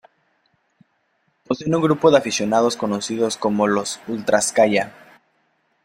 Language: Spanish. Poseen un grupo de aficionados conocidos como los Ultras Kaya.